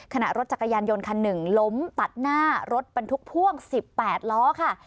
ขณะรถจักรยานยนต์คันหนึ่งล้มตัดหน้ารถบรรทุกพ่วง๑๘ล้อค่ะ